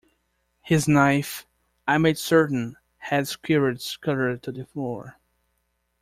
His knife, I made certain, had skewered Scudder to the floor.